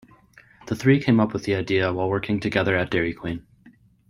The three came up with the idea while working together at Dairy Queen.